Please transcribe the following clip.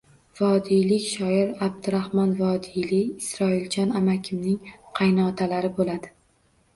Vodillik shoir Abduraxmon Vodiliy Isroiljon amakimning kaynotalari bo’ladi.